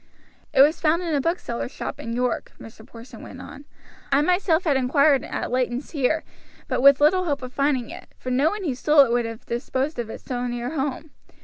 "It was found in a bookseller's shop in York," Mr. Porson went on. "I myself had inquired at Leighton's here, but with little hope of finding it, for no one who stole it would have disposed of it so near home.